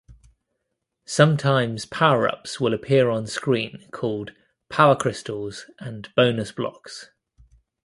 Sometimes power ups will appear on screen called power crystals and bonus blocks.